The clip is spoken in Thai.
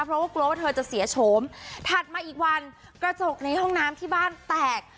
เพราะว่ากลัวว่าเธอจะเสียโฉมถัดมาอีกวันกระจกในห้องน้ำที่บ้านแตก